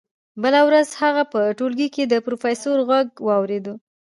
بله ورځ هغه په ټولګي کې د پروفیسور غږ واورېد